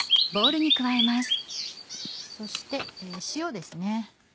そして塩です。